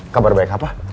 kabar baik apa